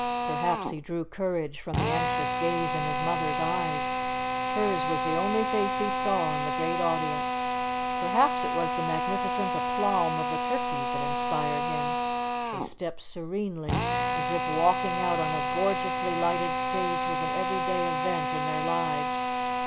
Perhaps he drew courage from the anxious gaze in his mother's eyes. Hers was the only face he saw in the great audience. Perhaps it was the magnificent aplomb of the turkeys that inspired him. They stepped serenely, as if walking out on a gorgeously lighted stage was an every day event in their lives.